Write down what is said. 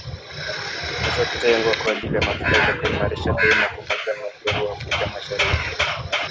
zilizotengwa kwa ajili ya mafuta ili kuimarisha bei na kumaliza mgogoro huo Afrika mashariki